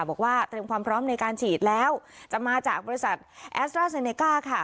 บอกว่าเตรียมความพร้อมในการฉีดแล้วจะมาจากบริษัทแอสตราเซเนก้าค่ะ